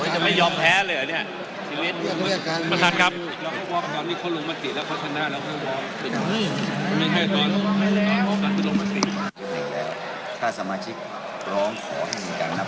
จะไม่ยอมแพ้เลยอ่ะเนี้ยประธานครับ